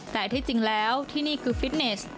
แต่ที่จริงแล้วที่นี่คือฟิตเนส